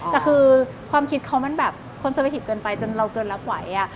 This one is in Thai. แต่คือความคิดเขามันแบบคอนเซอร์เวทิศเกินไปจนเราเตือนรับไหวอ่ะ